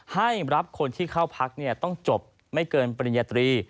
ให้รับคนที่เข้าพักต้องจบไม่เกินปริญญาตรี